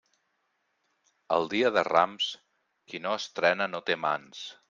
El dia de Rams, qui no estrena no té mans.